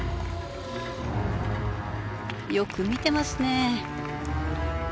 よく見てますね。